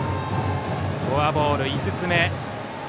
フォアボール、５つ目。